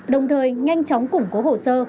đồng thời nhanh chóng củng cố hồ sơ